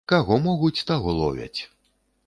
Каго могуць, таго ловяць.